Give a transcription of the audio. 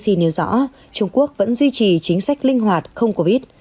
c nêu rõ trung quốc vẫn duy trì chính sách linh hoạt không covid